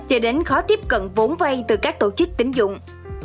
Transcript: cho đến khó tiếp cận vốn vay từ các tổ chức tính dụng